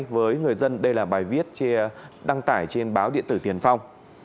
với người dân đây là bài viết đăng tải trên báo điện tử tiền phong